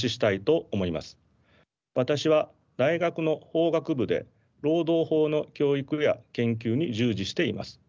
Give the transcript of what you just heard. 私は大学の法学部で労働法の教育や研究に従事しています。